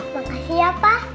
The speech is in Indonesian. makasih ya pa